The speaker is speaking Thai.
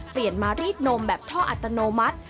เปลี่ยนมารีดนมแบบท่ออัตโนมัติ